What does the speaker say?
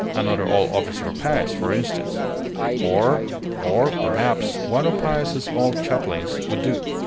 Another old officer of Paez, for instance. Or or perhaps one of Paez's old chaplains would do."